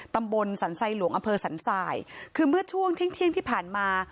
ตำบลสรรไทยหลวงอำเภอสรรทรายคือเมื่อช่วงเที่ยงเที่ยงที่ผ่านมา